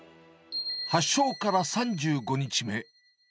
発症から３５日目。